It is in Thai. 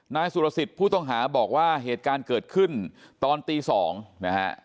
นายสุรสิทธิ์ผู้ต้องหาบอกว่าเหตุการณ์เกิดขึ้นตอนตี๒นะฮะ